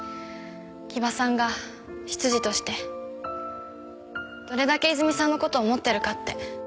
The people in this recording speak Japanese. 木場さんが執事としてどれだけ泉さんのこと思ってるかって。